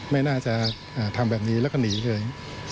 ไม่น่าจะทำแบบนี้แล้วก็หนีเลย